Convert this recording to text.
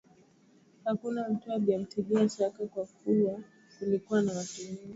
Hakuna mtu aliyemtilia shaka kwa kuwa kulikuwa na watu wengi